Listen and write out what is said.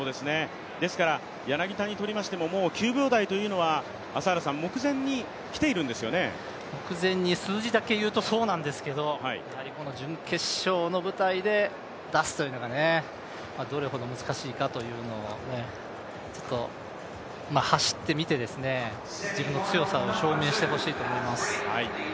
ですから柳田にとりましても９秒台というのは数字で言うとそうなんですけれども、やはり準決勝の舞台で出すというのがどれほど難しいかというのを走ってみて、自分の強さを証明してほしいと思います。